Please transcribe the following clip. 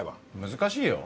難しいよ。